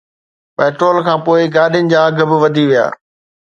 petrol کانپوءِ گاڏين جا اگهه به وڌي ويا